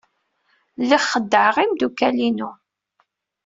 Lliɣ xeddɛeɣ imeddukal-inu.